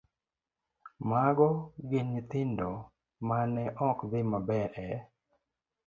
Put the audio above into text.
Mago gin nyithindo ma ne ok dhi maber e